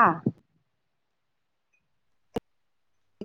ஆ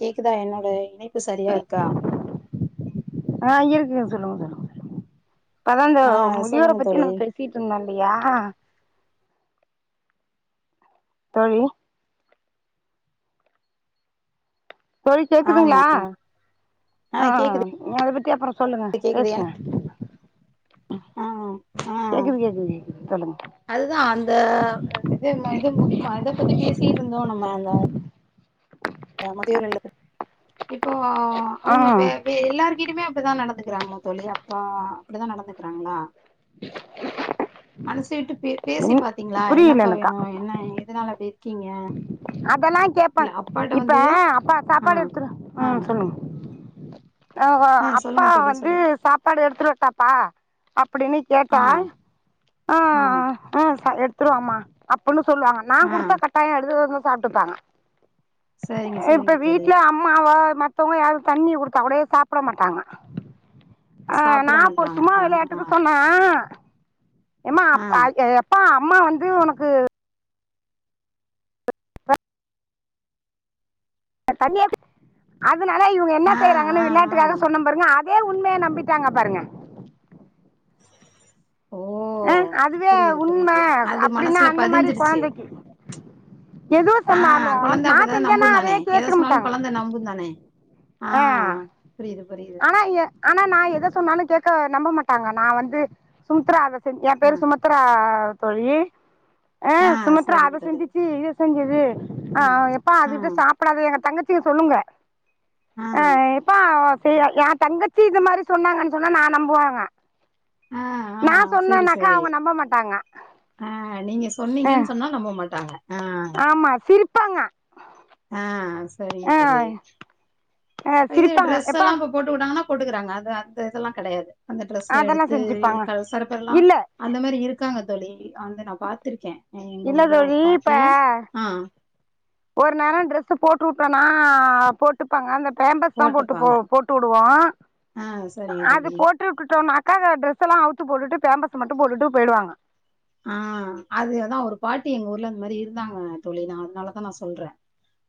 கேக்குதா என்னோட இணைப்பு சரியா இருக்கா ஆ இருக்கு சொல்லுங்க சொல்லுங்க அதாங்க ஆ முதியோரை சொல்லுங்க பத்தி தோழி நம்ம பேச கீட்டு மல்லியா தான்யு தோழி ஆமா கேக்குதுங்களா ஆ அத பத்தி அப்பறோ சொல்லுங்க கேக்குது என பேஸ்வோ ஆ ஆ கேக்குது கேக்குதுங் சொல்லுங்க அதுதா அந்த இது இத பத்தி பேசிட்டு இருந்தோ நம்ம அங்க போ முதியோர் இல்லதுக்கு இப்போ ஆ அவுங்க வே இப்ப எல்லார் கிட்டயுமே அப்டிதா நடந்துக்கிறாங்களா தோழி அப்பா அப்டிதா நடந்துக்கிறாங்களா மனசு விட்டு பே பேசி ம் பாத்தீங்களா புரியல என்னப்பா எனக்கா வேணு என்ன ஏ எதுனால அப்டி இருக்கீங்க அதல்லா இல்ல கேப்பாங் அப்பாட்ட இப்ப வந்து ஆ ஆ ம் சொல்லுங்க ஆ அப்பா சொல்லுங்க தோழி வந்து சொல்லிட்டு சாப்பாடு எடுத்துட்டு வரட்டாப்பா அப்டின்னு ஆ கேட்டா ஆ ஆ சா எடுத்துட்டுவாம்மா அப்டின்னு சொல்லுவாங்க நா ஆ குடுத்த கட்டாயோ எடுத்துட்டு வந்து சாப்ட்டுபாங்க சரிங்க இப்ப சரிங்க தோழி வீட்ல அம்மாவா மத்தவ்ங்க யாரு தண்ணி குடுத்தா கூட சாப்பிட மாட்டாங்க ஆ நா சாப்பிட இப்போ மாட்றாங்க சும்மா ஆ விளையாட்டுக்கு சொன்னா எம்மா ஆ அப் அ எ எப்பா அம்மா வந்து ஒனக்கு ப தண்ணியாத்து அதுனால இவுங்க என்னா ஆ ஆ செய்றாங்கன்னு ஆ விளாட்டுக்காக சொன்ன பாருங்க அ ஏ உண்மைய நம்பிட்டாங்க பாருங்க ஓ ஆ அதுவே புரியுது உண்ம புரியுது அது அப்டின்னா மனசுல அந்த மாரி பதிஞ்சிருச்சு கொழந்தைக்கு எது ஆ சொன்னாலு குழந்த நா அப்பதன செஞ்சேன்னா நம்புந்தானே அதவே எத கேத்துக்க சொன்னாலு மாட்டாங்க குழந்த நம்புந் தானே ஆ புரிது புரிது ஆனா ஏ ஆனா நா எத சொன்னாலு கேக்க நம்ப மாட்டாங்க நா வந்து சுமித்ரா அத செஞ் எ ஆ பேரு சுமத் [unintelligible] தோழி ஆ சுமித்ரா சரிங்க அத தோழி செஞ்சிச்சு இத செஞ்சுது ஆ ம் எப்பா ஆ அதுட்ட சாப்ப இப்ப அது எங்க தங்கச்சிக சொல்லுங்க ஆ அ சரி ஏ தங்கச்சி இந்த மாரி சொன்னாங்கனு சொன்னா நா நம்புவாங்க ஆ ஆ நா சரி சொன்னனாக்கா சரி அவங்க நம்ப மாட்டாங்க ஆ நீங்க ஆ சொன்னீங்கன்னு சொன்னா நம்ப மாட்டாங்க ஆ ஆமா சிரிப்பாங்க ஆ சரிங்க ஆ தோழி ஆ இது சிரிப்பாங்க ட்ரெஸ் எப்பா எல்லா ப்ப போட்டுவுட்டாங்கனா போட்டுக்குறாங்க அது அந்த இதலா கெடையாது அந்த ட்ரெஸ் அதெல்லா எடுத்து செஞ்சுப்பாங்க அ சில பேர் எல்லா இல்ல அந்த மாதிரி இருக்காங்க தோழி அந்த நா பாத்திருக்க எங்க இல்ல ஊர்ல ஒரு தோழி இப்ப பாட்டி ஆ ஒரு நேர ட்ரெஸ்ு போட்டுவிட்டனா போட்டு டுப்பாங்க அந்த பேம்பஸ் தா போட்டு போட்டுப்பாங்க போவோ போட்டு வுடுவோ ஆ சரிங்க அது தோழி போட் விட்டு விட்டோனாக்க ட்ரெஸ எல்லா அவுத்து போடுடு பேம்பஸ் மட்டு போட்டு போயிடுவாங்க ஆ அதேதா ஒரு பாட்டி எங்க ஊர்ல இந்தமாரி இருந்தாங்க தோழி நா அதனாலதா நா சொல்ற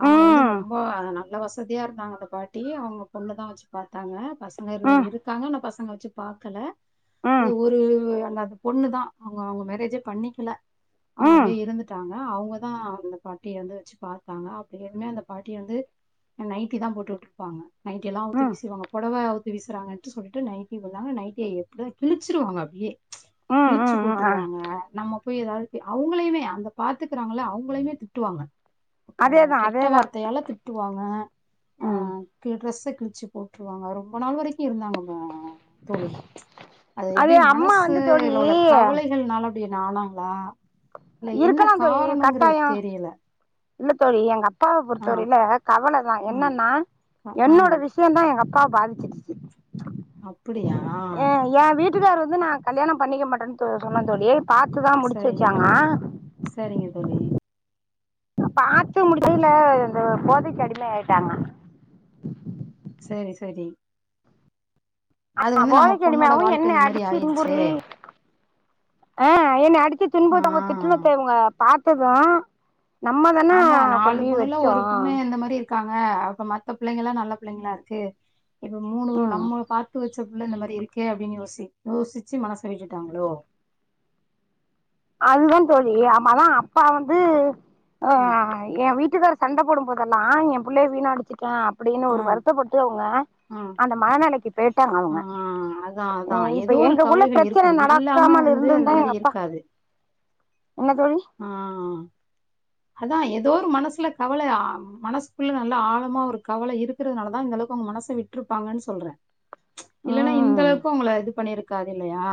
அவங்கள வந்து ம் ரொம்ப நல்ல வசதியா இருந்தாங்க அந்த பாட்டி அவுங்க பொண்ணுதா வச்சு பாத்தாங்க பசங்க இரு ம் இருக்காங்க ஆனா பசங்க வச்சு பாக்கல ம் அது ஒரு அல்ல பொண்ணு தா அவுங்க அவுங்க மேரேஜே பண்ணிக்கல அவுங்க ம் அப்டியே இருந்துட்டாங்க அவங்கதா அந்த பாட்டிய வந்து வச்சு பாத்தாங்க அப்டியுமே அந்த பாட்டி வந்து நைட்டி தா போட்டு வுட்ருப்பாங்க நைட்டி எல்லா ம் அவுத்து ம் வீசிருவாங்க பொடவ அவுத் விசுராகன்டு சொல்டு நைட்டிலா நைட்டிய எடுத்து கிலிச்சிடுவாங்க அப்டியே ம் கிழிச்சி ம் ஆ போட்ருவாங்க அ நம்ம போய் ஏதாது அவுகளையுமே அந்த பாத்துகுறாங்கள அவுங்களையுமே திட்டுவாங்க அதேதா கெட்ட அதேதா வார்த்தையால திட்டுவாங்க ஆ ம் டிரஸ்ஸ கிழிச்சு போட்ருவாங்க ரொம்ப நாள் வரைக்கு இருந்தாங்க தோழி அது எப்டி அம்மா வந்து தோழி மனசில் உள்ள கவலைகள்னால அப்டி என்ன ஆனாங்களா இல்ல என்ன இருக்கலா தோழி காரணங்கிறது கட்டாயோ தெரியல இல்ல தோழி எங்க அப்பாவ ஆஹ் பொறுத்தவரையில கவலதா ஆ என்னன்னா அ ஆ என்னோட விஷ விஷயதா எங்க அப்பாவ பாதிச்சது அப்புடியா ஏ ஏ வீட்டுக்கார் வந்து நா கல்யாண பண்ணிக்க மாட்டனு சொன்ன தோழி பாத்துதா முடிச்சி சரிங்க வெச்சாங்க தோழி சரிங்க தோழி பாத்து முடிக்கைல இந்த போதைக்கு அடிம ஆயிட்டாங்க சேரி சரி அது ஆ வந்து நம்ம பொண்ணோட போதைக்கடிமாவு என்ன வாழ்க்கை இந்த மாரி அடிச்சு ஆயிருச்சே துன்புர்த்தி ஆ என்ன அடிச்சு ஆ துன்புறுத்துங்க திட்டனத்தவங்க இவங்க பாத்தது நம்மதான கொண்டி வச்சோ க்காங்க அப்ப மத்த புள்ளைங்களா நல்ல புள்ளைங்களாருக்கு இப்ப மூணு ம் நம்ம பாத்து வச்ச புள்ள இந்த மாரி இருக்கே அப்டின்னு யோசி யோசிச்சி மனச விட்டுட்டாங்களோ விட்டுட்டாங்களோ அதுதா தோழி அமா அதா அப்பா வந்து அ ம் எ வீட் வீட்டுக்காரு சண்ட போடு போதெல்லா எ புள்ளய வீணா அடிச்சிட்ட அப்படின்னு ஆ ஒரு வருத்தப்பட்டு அவங்க ஆ அந்த மனநிலைக்கு போயிட்டாங்க ஆ அவுங்க அதா அதா இப்ப ஏதோ ஒரு எங்ககுள்ள கவலைகள் பிர இருக்கு பிரச்சன இல்லாம நடக்காம வந்து அந்த இருந்திருந்தா மாரி எங்கப்பா இருக்காது என்ன தோழி ஆ அதா ஏதோ ஒரு மனசுல கவல மனசுக்குள்ள நல்ல ஆழமா ஒரு கவல இருக்குறதுனாலதா இந்தந்தளவுக்கு அவங்க மனச விட்டுருப்பாங்கன்னு சொல்ற இல்லன்னா இந்த ம் அளவுக்கு உங்கள இது பண்ணிருக்காதில்லையா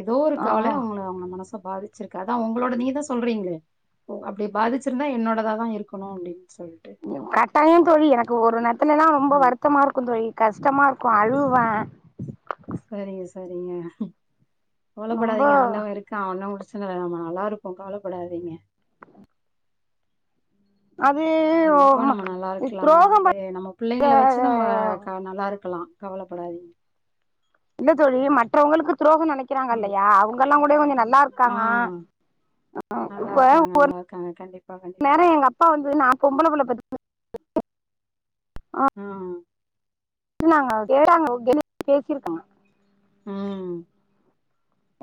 ஏதோ ஒரு கவல ஆமா அவங்கள அவங்கள மனச பாதிச்சிருக்கு அதா அவங்களோட நீங்கதா சொ சொல்றீங்ளே ஓ அப்டி பாதிச்சிருந்தா என்னோடதா தா இருக்கணு அப்டின்னு சொல்ட்டு கட்டாய தோழி எனக்கு ஒரு நேரத்துல எல்லா ரொம்ப ம் வருத்தமா இருக்கு தோழி கஷ்டமா இருக்கு அழுவுவ சரிங்க சரிங்க ரொம்ப கவலப்படாதீங்க ஆண்டவ இருக் தானே முடிச்சிறவேனாமா நல்லாருப்போ கவலைப்படாதீங்க அது ஓ மா துரோகம் ப பிள்ளைங்கள வச்சி நம்ம கா நல்லா இருக்கலா கவலப்படாதீங்க இல்ல தோழி மற்றவங்களுக்கு துரோக ஆ நினைக்கிறாங்கல்லையா அவுங்க எல்லா கூட கொஞ்ச நல்லா இருக்காங்க ஆ நல்லா இப்ப ஒரு இருக்காங்க நல்லா இருக்காங்க கண்டிப்பா கண்டிப்பா நேரோ எங்க அப்பா வந்து நா பொம்புள்ள பெத்தேனு ஆ திட்னாங்க கேட்டாங்க பேசியிருக்களா ம்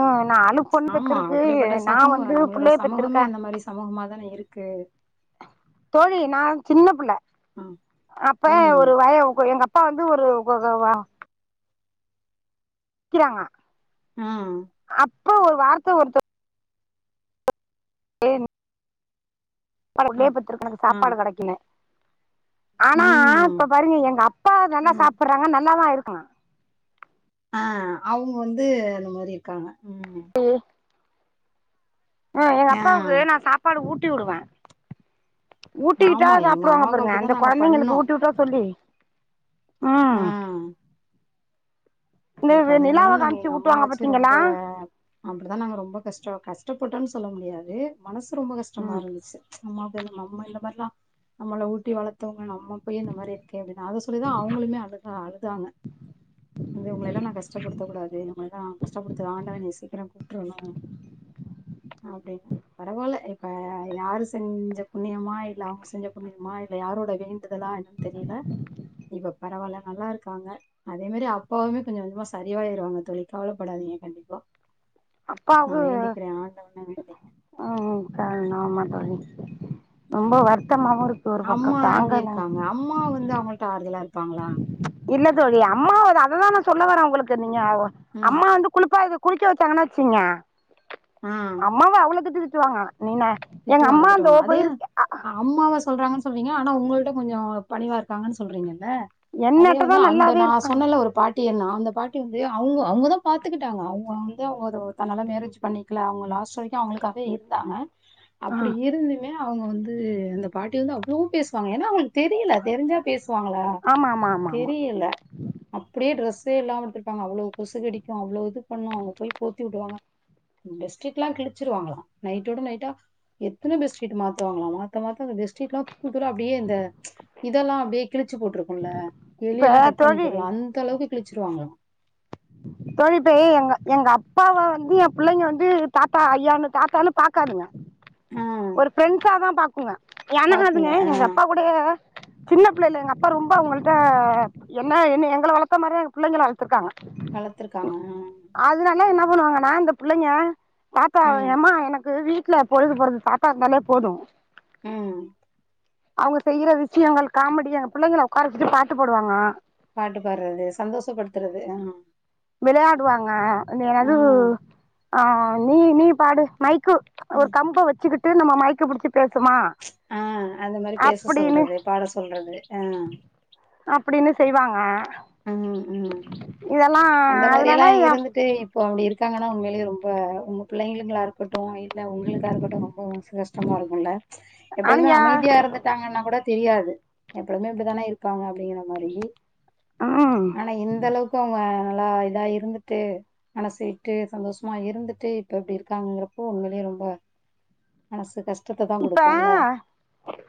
ம் நாலு பொண்ணு ஆமா. பெச்சிருக்கு அப்படிப்பட்ட நா வந்து புள்ளைய பெத்திருக்க சமூகமாக தான இருக்கு தோழி நா வந்து சின்ன புள்ள அ. அப்ப ம். ஒரு வய எங்க அப்பா அப்பா வந்து ஒரு ஒதவா கிறாங்க ம் அப்ப ஒரு வார்த்த ஒருத்தோ ஏன் நாலு அ. பிள்ளயே பெத்துருக்கணு எனக்கு ஆ. சாப்பாடு கெடைக்கல ஆனா இப்ப ம். பாருங்க எங்க அப்பா நல்லா ம். சாப்புறாங்க நல்லாதா இருக்காலா ஆ அவங்க வந்து அந்த மாரி இருக்காங்க ம் [unintelligible] ஆ எங்க அப்பாவுக்கு நா சாப்பாடு ஊட்டி விடுவ ஊட்டிவிட்டா ஆமா. எங்க சாப்டுவாங்க அம்மாவுக்கு பாருங்க அந்த அப்படிதான் நாங்க குழந்தைங்களுக்கு பண்ணோம். ஊட்டி உட்டா சொல்லி அ ம் இந்த பதினைஞ்சி நிலாவ நாள் நாங்க எங்க காமிச்சு அம்மா ஊட்டுவாங்க வச்சி ரொம்ப பாத்தீங்களா அப்டிதா நாங்க ரொம்ப கஷ்ட கஷ்டப்பட்டோனு சொல்ல முடியாது மனசு ரொம்ப கஷ்டமா ம் இருந்துச்சி அம்மா பே அம்மா இல்ல இந்த மாதிரி எல்லா நம்மள ஊட்டி வளத் மத்தவங்க நம்ம போய் இந்த மாரி இருக்க அப்டின்னு அத சொல்லிதா அவங்களுமே அழுது அழுதாங்க வந்து உங்களல்லா நா கஷ்டப்படுத்தக்க கூடாது இந்த மாரிதா கஷ்டப்படுத்த ஆண்டவ என்னைய சீக்கிரம் கூப்ட்ருணு அப்டின பரவாயில்ல இப்ப யாரு செஞ்ச புண்ணியமா இல்ல அவங்க செஞ்ச புண்ணியமா இல்ல யாரோட வேண்டுதலா என்ன தெரியில இப்ப பரவால்ல நல்லாருக்காங்க அதே மேரி அப் எப்பவுமே கொஞ்ச கொஞ்சமா சரியவாயிடுவாங்க தோழி கவலைப்படாதீங்க கண்டிப்பா நா அப்பாவுக்கு வேண்டிக்கிற ஆண்டவன வேண்டி ம் ம் க ஆமா தோழி ரொம்ப வருத்தமாவு இருக் ஒரு பக்கோ அம்மா எப்டி தாங்கல இருக்காங்க? அம்மா வந்து அவங்கள்ட ஆறுதலா இருப்பாங்களா இல்ல தோழி அம்மாவத அத தா சொல்ல வரே உங்ளுக்கு நீங்க ஆ ஓவ ம். அம்மா வந்துகு குளிப்பா இது குளிக்க வச்சாங்கன்னா வச்சீங்க ஆ அம்மாவ அவ்வளோ திட்டு திட்டுவாங்க நீன எங்க திட்டுவாங்க, அம்மா அந்தோ திட்டுவாங்க. அதே போய்ருக் அம்மாவ சொல்றாங்கன்னு சொல்றீங்க ஆனா உங்கள்ட கொஞ்சோ பணிவா இருக்காங்கன்னு சொல்றங்கல அதே என்னட்டதா வந்து அந்த நல்லாவே நா இருப்பாங்க சொன்னல ஒரு பாட் பாட்டி என்ன அந்த பாட்டி வந்து அவங்க அவங்கதா பாத்துக்கிட்டாங்க அவங்க வந்து அவங்க தன்னால மேரேஜ் பண்ணி கில அவங்க லாஸ்ட் வரைக்கு அவங்களுக்காகவே இருந்தாங்க ஆ அப்டி இருந்துமே அவுங்க வந்து அந்த பாட்டி வந்து அவ்ளோ பேசுவாங்க ஏன்னா அவுங்களுக்கு தெரியில தெரிஞ்சா பேஸ் சுவாங்களா ஆமா ஆமா ஆமா ஆமா தெரியில அப்டியே டிரெஸ்ஸே இல்லாம விட்ருப்பாங்க அவ்ளோ கொசு கடிக்கு அவ்ளோ இது பண்ணு அவுங்க போய் போத்திவுடுவாங்க பெட்ஷீட்லா கிழிச்சிருவாங்ளா நைட்டோட நைட்டா எத்தன பெட்ஷிட்டு மாத்துவாங்ளா மாத்த மாத்த அந்த பெட்ஷிட்லா தூள் தூளா அப்டியே இந்த இதெல்லா அப்டியே கிழிச்சு போட்ருக்குல்ல இப்ப எலியெல்லா கட் பண்ணி தோழி போட்ல அந்தளவுக்கு கிழச்சிருவாங்களா தோழி இப்பே எங்க எங்க அப்பாவ வந்து என் புள்ளைங்க வந்து தாத்தா ஐயானு தாத்தானு பாக்காதுங்க ஆ ஒரு ஃப்ரெண்ட்ஸாதா பாக்குங்க ஏன்னா பாக்குங்க அதுங்க ஆ எங்க அப்பா கூடயே சின்ன பிள்ளைல்ல எங்க அப்பா ரொம்ப அவுங்கள்ட்ட என்ன என்ன எங்கள வளத்த மாரியே எங்க பிள்ளைங்கள வளத்துருக்காங்க வளத்துருக்காங்க ம் அதுலந்து என்ன பண்ணுவாங்கன்னா இந்த பிள்ளைங்க தாத்தா ம் எம்மா எனக்கு வீட் ட்ல பொழுது போறதுக் தாத்தா இருந்தாலே போது ம் அவுங்க செய்யற விஷ்யங்கள் காமெடி அங்க பிள்ளைங்கள உட்காரச்சிட்டு பாட்டு பாடுவாங்க பாட்டு பாட்றது சந்தோஷப்படுத்தறது அம் விளயாடுவாங்க ஆ எனது அ நீ நீ பாடு மைக்கு ஒரு ம் கம்ப வச்சுக்கிட்டு நம்ம மைக்க புடிச்சு பேசுமா ஆ அந்த மாரி பேச அப்படின்னு சொல்றது பாட சொல்றது அ அப்டின்னு செய்வாங்க இதெல்லா அந்த அதனால மாரில்லா இருந்துட்டு இப்போ அப்டி இருக்காங்கன்னா உண்மைலேயே ரொம்ப உங்க பிள்ளைங்களு நல்லாருக் க்கட்டு இல்ல உங்களுக்கா இருக்கட்டு ரொம்ப மனசு கஷ்டமா இருக்குல்ல எப்பொழுதுமே அனுயா அமைதியா இருந்துட் விட்டாங்கன்னா கூட தெரியாது எப்பொழுமே இப்டிதான இருப்பாங்க அப்டிங்கிற மாரி ம் ஆனா இந்தளவுக்கு அவுங்க நல்லா இதா இருந்து ட்டு மனசுவிட்டு சந்தோஷமா இருந்துட்டு இப்ப இப்டி இருக்காங்கிறப்போ உண்மையிலே ரொம்ப மனசு கஷ் ப்பா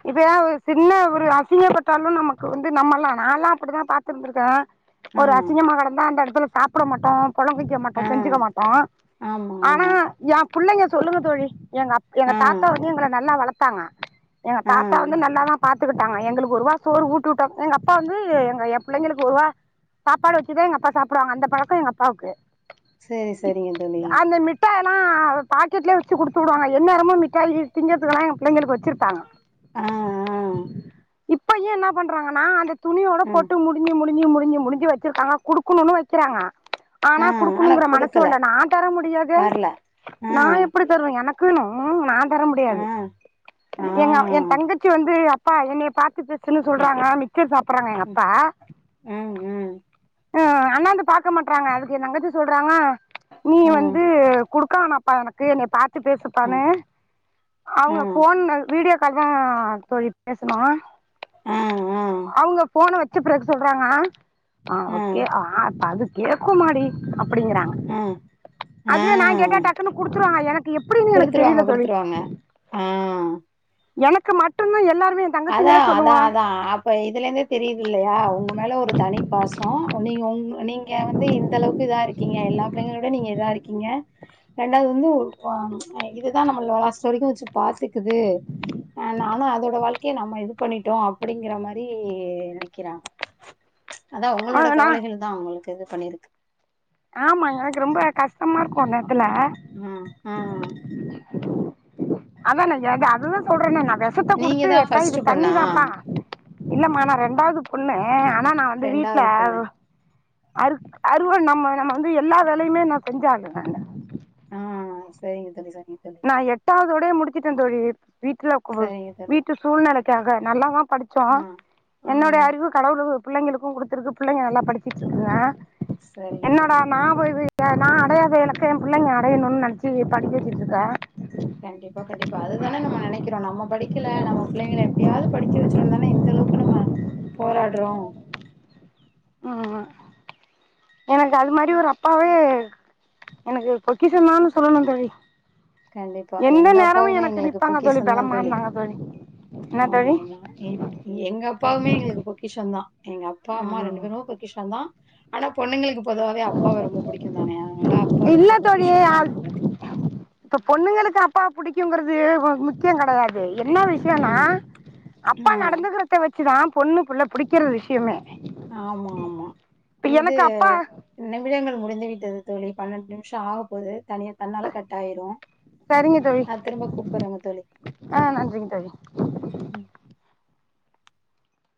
இப்ப ஏன் ஒரு சின்ன ஒரு அசிங்கப்பட்டாலு நமக்கு வந்து நம்மல்லா நால்லா அப்பிடிதா பாத்திருந்திருக்க ஆ ஒரு அசிங்கமா கெடந்தா அந்த எடத்துல சாப்பட மாட்டோ பொழங்க ய்யமாட்டோ ஆ செஞ்சுக்க மாட்டோ ஆமா ஆனா ஆமா என் புள்ளைங்க சொல்லுங்க தோழி எங்க அப் எங்க ஆ தாத்தா வந்து எங்கள நல்லா வளத்தாங்க எங்க ஆ தாத்தா வந்து நல்லாதா பாத்துக்குட்டாங்க எங்களுக்கு ஒருவா சோறு ஊட்டி வுட்டா எங்க அப்பா வந்து எங்க என் பிள்ளைங்களுக்கு ஒருவா சாப்பாடு வச்சுதா எங்க அப்பா சாப்புடுவாங்க அந்த பழக்கோ எங்கப்பாவுக்கு சேரி செரிங்க தோழி ட்டேனா பாக்கெட்லே வெச்சு குடுத்து உடுவாங்க எந்நேரமு மிட்டாய் திங்கறத்துக்கெலா எங்க பிள்ளைங்களுக்கு வச்சிருப்பாங்க ஆ ஆ இப்பயு என்ன பண்றாங்கன்னா அந்த துணியோட ம் போட்டு முட் தின்னி முடுஞ்சு முடுஞ்சு முடுஞ்சு வச்சிருக்காங்க குடுக்குணுன்னு வெக்கறாங்க ஆ ஆனா ஆனா குடுக்குணுங்கற மனசு குடுக்கல வல்ல நா தர முடியாதே வரல ஆ நா எப்புடி சர் எனக்குன்னு வ் நா தர ஆ முடியாது ஆ என் அ தங்கச்சி வந்து அப்பா என்னய பாத்து பேசுன்னு ம் சொல்றாங்க மிச்சர் சாப்பறாங்க ம் எங்கப்பா ம் அ அன்னாந்து பாக்க மாட்றாங்க அதுக்கு என் தங்கச்சி சொல்றாங்ளா நீ ம் வந்து குடுக்கானாப்ப்பா எனக்கு என்னய பாத்து பேசுப்பானு ம் அவுங்க ம் ஃபோன்ல வீடியோ கால்தா தோழி பேசுன ஆ ஆ அவுங்க ஃபோன வச்சபிறகு சொல்றாங்க அ ஓகே ஆ அது கேக்கும்மாடி அப்பிடிங்கறாங்க ஆ, ஆ. அதுவே நா கேட்டா டக்குன்னு குடுத்துருவாங்க எனக்கு எப்பிடீன் எனக்கு தெரில தோழி ம் எனக்கு மட்டு்ந்தா எல்லாருமே அதா தங்கச்சிங்கலா அதா சொல்லுவா அதாங் இப்ப இதுலே இருந்தே தெரியுது இல்லையா உங்க மேல ஒரு தனி பாசம் நீ உ நீங்க வந்து இந்த அளவுக்கு இதா இருக் இருக்கீங்க எல்லா பிள்ளைங்களோட நீங்க இதா இருக்கீங்க ரெண்டாவது வந்து ஆ இதுதா நம்மள லா லாஸ்ட் வரைக்கூ வச்சு பாத்துக்குது நானூ அதோட வாழ்க் ஏ நம்ம இது பண்ணிட்டோ அப்படிங்கிற மாரி நினைக்கிறாங்க அதா ஆ உங்களோட நா கவலைஹள் தா உங்களுக்கு இது பண்ணிருக் ஆமா எனக்கு ரொம்ப கஷ்டமா ருக்கு அந்த எடுத்துல ஹஹா அ அதானே ந அதுதானோ சொல்றே நக இப்பத் தா நீங்க கொடுத்து தான் யப்பா இது பொண்ணா? தண்ணிதான்ப்பா இல்லமா நா ரெண்டாவ்து பொண்ணு ஆனா நா வந்து வீட்லவ் பொண்ணு. அற் அறுவ நம்ம நம்ம வந்து எல்லா வேலையுமே நா செஞ்சாங்க ஆ சரிங்க தோழி சரிங்க தோழி நா எட்டாவதோட முடிச்சிட்டே தொழி வீட்டுல சரிங்க தோழி. வீட்டு சூழ்நிலைக்காக நல்லாதா படிச்சோ ஆ ஆ என்னுடைய அறிவு கடவுள் பிள்ளைங்களுக்கூ கொடுத்திருக்கு பிள்ளைங்க நல்லா படிச்சிட்டு இருக்குதுங்க சரிங்க என்னோடா தோழி நா போய் வீட்டா நான் அடையாத எலக்க என் பிள்ளைங்க அடையணும்னு நெனைச்சு படிக்க வச்சிட்டுறுக்கோ இதெ கண்டிப்பா கண்டிப்பா அதுதானே நம்ம நினைக்கிறோ நம்ம படிக்கல நம்ம பிள்ளைங்கள எப்படியாவது படிக்க வச்சுர்னோ தானே இந்த அளவுக் இப்ப நம்ம போராடுறோ ம் அ எனக்கு அது மாரி ஒரு அப்பாவே க்க் எனக்கு பொக்கிஷன் தான்னு சொல்லணு தோழி கண்டிப்பா எந்த எங்க நேரமு அப்பாவுமே எனக்கு எங்களுக்கு நிப்பாங்க பொகிஷம் தா பலமா தோழி இருந்தாங்க என்ன ஆமா தோழி ஆமா இப் எங்க அப்பாவுமே எங்ளுக்கு பொக் கிஷன் தா எங்க அப்பா அம்மா ரெண்டு ம் பேரு பொக்கிஷொன் தா ஆனா பொண்ணுங்களுக்கு பொதுவாவே அப்பாவ ரொம்ப புடிக்யுன் தானே அதனால அப்பா இல்ல ரொம்ப பொக்கிஷோன்தா தோழி நம்ளுக்கு இப்ப பொண்ணுங்களுக்கு அப்பா புடிக்குங்குறது முக்கியோ கிடையாது என்னா விஷ்யுனா ம் அப்பா ஆ நடந்துகறத்த வச்சிதா பொண்ணு புள்ள புடிக்கிற விஷ்யுமே ஆமாம்மா இது எனக்கு அப்பா நிமிடங்கள் முடிந்து விட்டது தோழி பன்னெண்டு நிமிஷம் ஆக போது தனியா தன்னால கட் ஆாயிரும் சரிங்க தோழி அ திரும்ப கூப்பிட்றோங்க தோழி ஆ நன்றிங்க தோழி